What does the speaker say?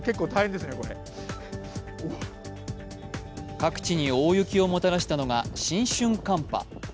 各地に大雪をもたらしたのが新春寒波。